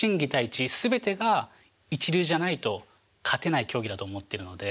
知全てが一流じゃないと勝てない競技だと思ってるので。